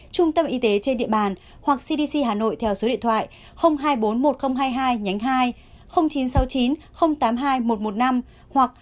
trung tâm y tế trên địa bàn hoặc cdc hà nội theo số điện thoại hai trăm bốn mươi một nghìn hai mươi hai nhánh hai